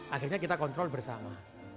akhirnya kita kontrol bersama